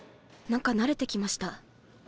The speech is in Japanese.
何か慣れてきました。